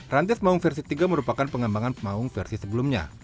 rantis maung versi tiga merupakan pengembangan maung versi sebelumnya